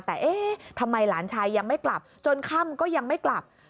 แต่เอ๊ะทำไมหลานชายยังไม่กลับจนค่ำก็ยังไม่กลับ